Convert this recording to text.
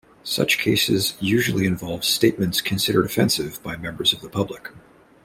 Such cases usually involved statements considered offensive by members of the public.